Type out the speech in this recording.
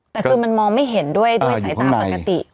แต่คือมันมองไม่เห็นด้วยด้วยสายตาปกติ